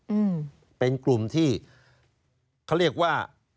อืมเป็นกลุ่มที่เขาเรียกว่า